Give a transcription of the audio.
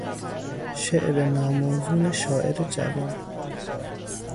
شعر ناموزون شاعر جوان